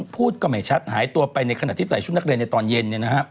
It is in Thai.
พูดก็ไม่ชัดหายตัวไปในขณะที่ใส่ชุดนักเรียนในตอนเย็น